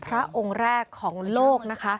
พระองค์แรกของโลกนะคะ